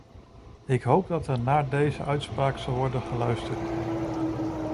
Ik hoop dat er naar deze uitspraak zal worden geluisterd.